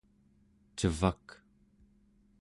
cevak